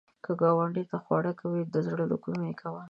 که ګاونډي ته خواړه کوې، د زړه له کومي کوه